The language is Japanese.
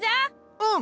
うん！